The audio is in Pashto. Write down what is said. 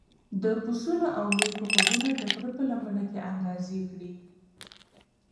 د پسونو او مېږو غږونه د غره په لمنه کې انګازې کړې.